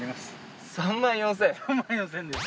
３万４，０００円です。